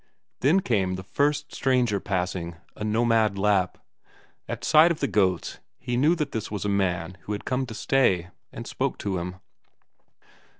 Then came the first stranger passing, a nomad Lapp; at sight of the goats, he knew that this was a man who had come to stay, and spoke to him.